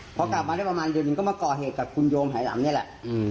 พอกลับมาได้ประมาณเดือนหนึ่งก็มาก่อเหตุกับคุณโยงหายลำนี่แหละ